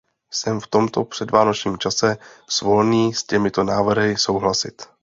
Jsem v tomto předvánočním čase svolný s těmito návrhy souhlasit.